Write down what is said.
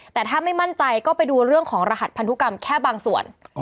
แต่ถ้าไม่มั่นใจก็ไปดูเรื่องของรหัสพันธุกรรมแค่บางส่วน